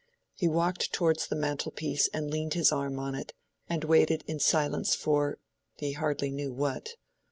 He walked towards the mantel piece and leaned his arm on it, and waited in silence for—he hardly knew what.